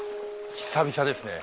久々ですね